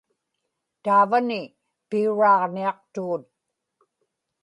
taavani piuraaġniaqtugut